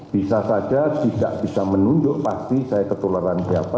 bisa saja tidak bisa menunjuk pasti saya ketularan siapa